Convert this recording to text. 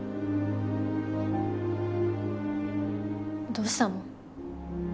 どうしたの？